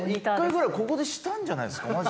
１回ぐらいここでしたんじゃないですか？